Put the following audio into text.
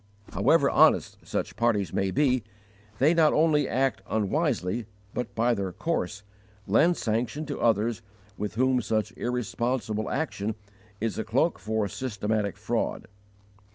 However honest such parties may be, they not only act unwisely, but, by their course, lend sanction to others with whom such irresponsible action is a cloak for systematic fraud.